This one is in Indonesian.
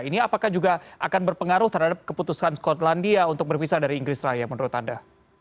ini apakah juga akan berpengaruh terhadap keputusan skotlandia untuk berpisah dari inggris raya menurut anda